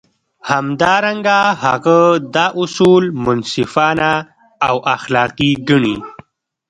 همدارنګه هغه دا اصول منصفانه او اخلاقي ګڼي.